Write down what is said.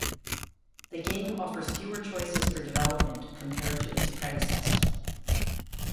The game offers fewer choices for development compared to its predecessor.